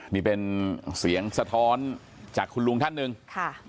นี่เป็นเสียงสะท้อนจากคุณลุงท่านหนึ่ง